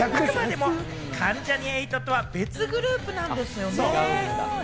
関ジャニ∞とは別グループなんですよね。